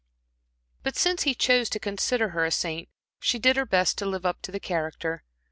But since he chose to consider her a saint, she did her best to live up to the character.